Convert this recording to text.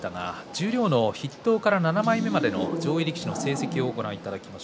十両の筆頭から７枚目まで上位力士の成績です。